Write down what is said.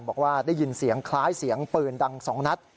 บอกว่าได้ยินเสียงคล้ายเสียงปืนดัง๒นัด